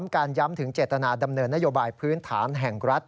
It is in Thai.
การย้ำถึงเจตนาดำเนินนโยบายพื้นฐานแห่งรัฐ